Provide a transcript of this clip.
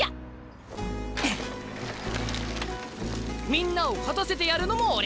みんなを勝たせてやるのも俺！